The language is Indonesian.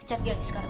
pecat dia sekarang